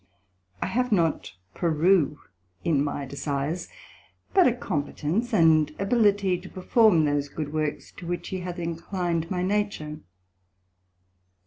I have not Peru in my desires, but a competence, and ability to perform those good works to which he hath inclined my nature.